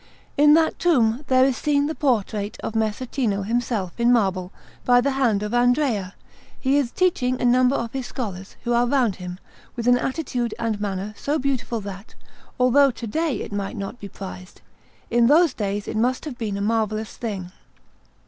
In that tomb there is seen the portrait of Messer Cino himself in marble, by the hand of Andrea; he is teaching a number of his scholars, who are round him, with an attitude and manner so beautiful that, although to day it might not be prized, in those days it must have been a marvellous thing.